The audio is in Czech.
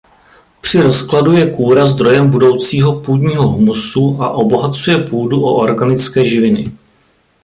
Při rozkladu je kůra zdrojem budoucího půdního humusu a obohacuje půdu o organické živiny.